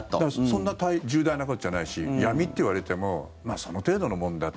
そんな重大なことじゃないし闇って言われてもその程度のもんだって。